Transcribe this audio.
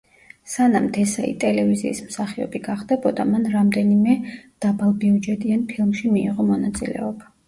სანამ დესაი ტელევიზიის მსახიობი გახდებოდა, მან რამდენიმე დაბალბიუჯეტიან ფილმში მიიღო მონაწილეობა.